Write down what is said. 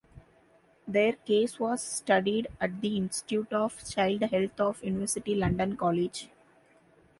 Their case was studied at the Institute of Child Health of University London College.